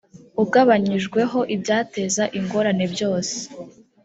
ugabanyijweho ibyateza ingorane byose